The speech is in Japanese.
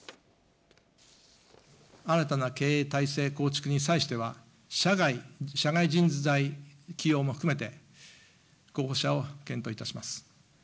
新たな経営体制構築に際しては、社外人材起用も含めて、候補者を検討いたします。